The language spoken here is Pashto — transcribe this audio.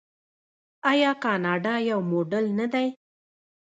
آیا کاناډا یو موډل نه دی؟